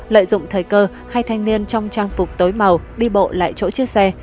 lợi dụng thời cơ hai thanh niên trong trang phục tối màu đi bộ lại chỗ chiếc xe